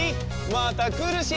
またくるし！